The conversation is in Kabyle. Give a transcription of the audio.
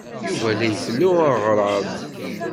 Yuba la ifellu aɣrab.